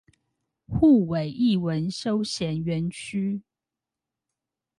滬尾藝文休閒園區